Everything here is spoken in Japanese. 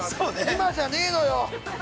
◆今じゃねえのよ。